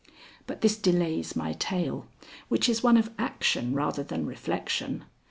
But this delays my tale, which is one of action rather than reflection.